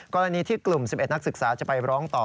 กรณีที่กลุ่ม๑๑นักศึกษาจะไปร้องต่อ